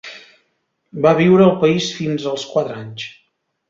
Va viure al país fins als quatre anys.